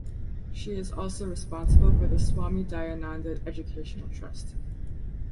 She is also responsible for the Swami Dayananda Educational Trust.